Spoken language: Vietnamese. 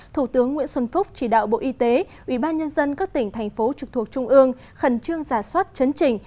thủ tướng nguyễn xuân phúc chỉ đạo bộ y tế ubnd các tỉnh thành phố trực thuộc trung ương khẩn trương giả soát chấn chỉnh